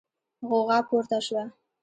غوغا پورته شوه.